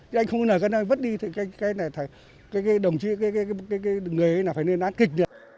thế anh không có nợ cái này vất đi cái này cái đồng chí cái người ấy này phải nên án kịch